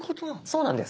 そうなんです。